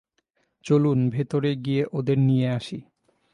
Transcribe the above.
চলুন ভেতরে গিয়ে ওদের নিয়ে আসি।